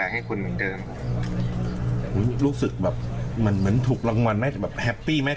เหมือนถูกรางวัลไหมแฮปปี้ไหม